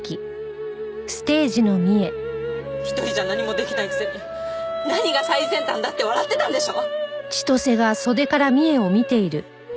一人じゃ何もできないくせに何が最先端だって笑ってたんでしょ！